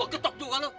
gua ketok juga lu